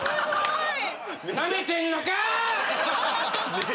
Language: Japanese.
なめてんのかー。